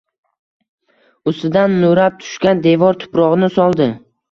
Ustidan nurab tushgan devor tuprog‘ini soldi.